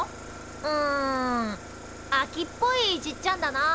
んあきっぽいじっちゃんだな。